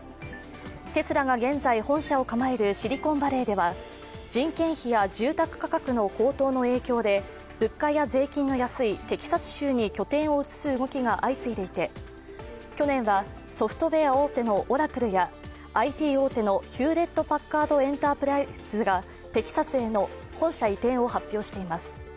テスラが現在本社を構えるシリコンバレーでは人件費や住宅価格の高騰の影響で物価や税金が安いテキサス州に拠点を移す動きが相次いでいて、去年はソフトウェア大手のオラクルやＩＴ大手のヒューレット・パッカード・エンタープライズがテキサスへの本社移転を発表しています。